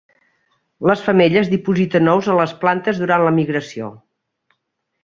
Les femelles dipositen ous a les plantes durant la migració.